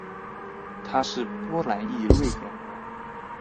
他是波兰裔瑞典人。